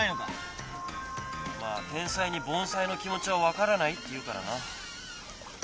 まあ天才に凡才の気持ちは分からないっていうからな。